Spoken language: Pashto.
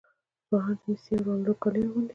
ځوانان د میسي او رونالډو کالي اغوندي.